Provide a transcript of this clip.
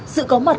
sự có mặt